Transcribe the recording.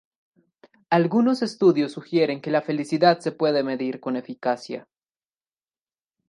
Algunos estudios sugieren que la felicidad se puede medir con eficacia.